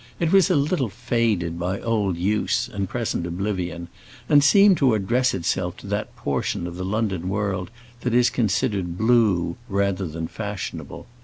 It was a little faded by old use and present oblivion, and seemed to address itself to that portion of the London world that is considered blue, rather than fashionable.